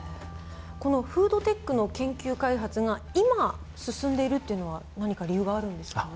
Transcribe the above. このフードテックの研究開発が今進んでいるっていうのは何か理由があるんですか？